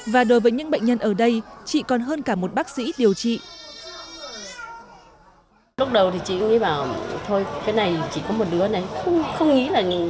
và đối với những bệnh nhân ở đây chị còn hơn cả một bác sĩ điều trị